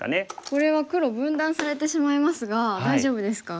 これは黒分断されてしまいますが大丈夫ですか？